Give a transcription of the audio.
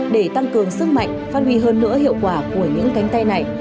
để tăng cường sức mạnh phát huy hơn nữa hiệu quả của những cánh tay này